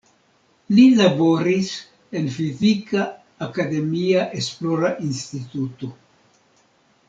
Li laboris en fizika akademia esplora instituto.